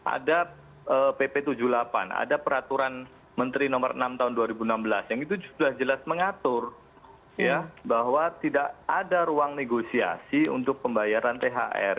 ada pp tujuh puluh delapan ada peraturan menteri nomor enam tahun dua ribu enam belas yang itu sudah jelas mengatur bahwa tidak ada ruang negosiasi untuk pembayaran thr